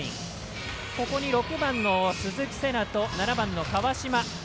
ここに６番の鈴木世奈と７番の川島。